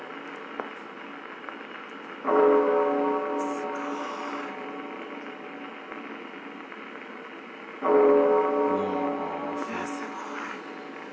すごい。いやすごい。